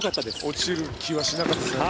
落ちる気がしなかったですね。